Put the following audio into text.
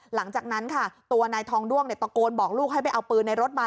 หลังจากนั้นค่ะตัวนายทองด้วงตะโกนบอกลูกให้ไปเอาปืนในรถมา